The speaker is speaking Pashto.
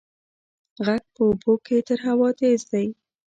غږ په اوبو کې تر هوا تېز دی.